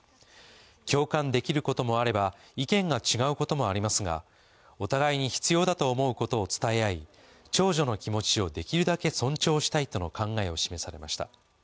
共感できることもあれば、意見が違うこともありますが、お互いに必要だと思うことを伝え合い、長女の気持ちをできるだけ尊重したいとの考えを示されました。